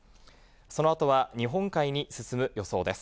そのあとは日本海に進む予想です。